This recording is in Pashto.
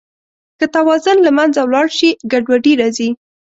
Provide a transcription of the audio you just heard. که توازن له منځه ولاړ شي، ګډوډي راځي.